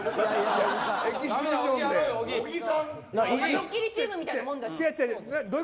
「ドッキリ」チームみたいなもんだし。